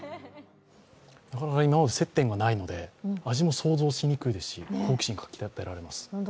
なかなか今まで接点がないので、味も想像しにくいですし、好奇心、かき立てられます。